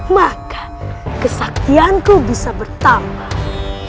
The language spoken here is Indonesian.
maka kesaktianku bisa bertambah